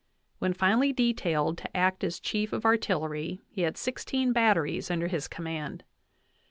When finally detailed to act as chief of artillery he had sixteen batteries under his command.